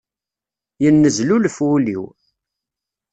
Yennezlulef wul-iw.